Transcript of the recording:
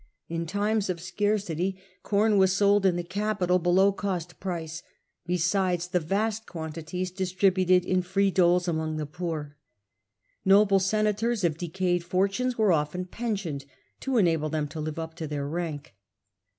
In times of scarcity corn objects, was sold in the capital below cost price, besides the vast quantities distributed in free doles among the poor. Noble senators of decayed fortunes were often pensioned, to enable them to live up to their rank.